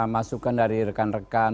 masukan dari rekan rekan